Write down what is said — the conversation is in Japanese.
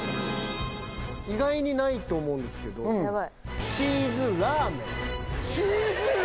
意外にないと思うんですけどチーズラーメン！